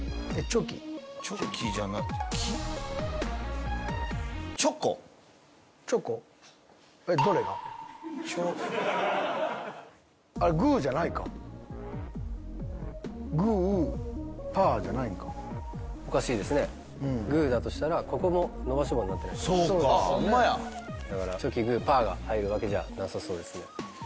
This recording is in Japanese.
・チョキじゃなチョコ？あっグーじゃないかグーパーじゃないんかおかしいですねグーだとしたらここも伸ばし棒になってないとホンマやだからチョキグーパーが入るわけじゃなさそうですね